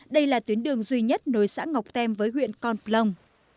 đây là tuyến đường duy nhất nối xã ngọc tem với huyện con plong